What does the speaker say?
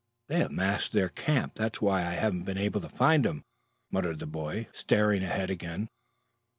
"They have masked their camp. That's why I haven't been able to find them," muttered the boy, starting ahead again.